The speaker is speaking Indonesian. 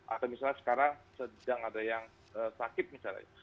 atau misalnya sekarang sedang ada yang sakit misalnya